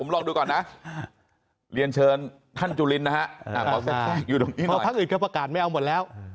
ลองดูก่อนนะเรียนเชิญท่านจุลินนะฮะขอแทรกอยู่ตรงนี้เพราะพักอื่นก็ประกาศไม่เอาหมดแล้ว